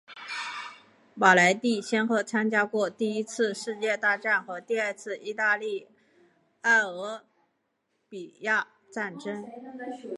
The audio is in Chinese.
马莱蒂先后参加过第一次世界大战和第二次意大利埃塞俄比亚战争。